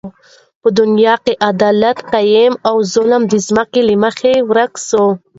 په دنیا کی عدالت قایم او ظلم د ځمکی له مخ څخه ورک سی